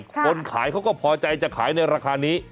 คนขายเขาก็พอใจจะขายในราคานี้